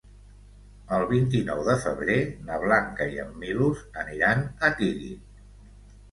El vint-i-nou de febrer na Blanca i en Milos aniran a Tírig.